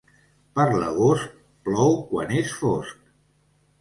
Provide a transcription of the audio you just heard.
Per l'agost, plou quan és fosc.